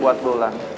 biar lo yakin sama gue